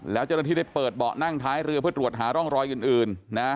แล้วเจ้าหน้าที่ได้เปิดเบาะนั่งท้ายเรือเพื่อตรวจหาร่องรอยอื่นนะ